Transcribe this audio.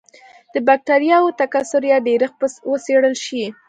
د بکټریاوو تکثر یا ډېرښت به وڅېړل شي.